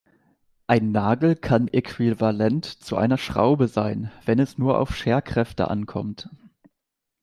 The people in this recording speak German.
Ein Nagel kann äquivalent zu einer Schraube sein, wenn es nur auf Scherkräfte ankommt.